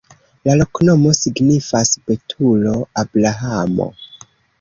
La loknomo signifas: betulo-Abrahamo.